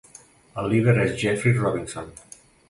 El líder és Jeffery Robinson.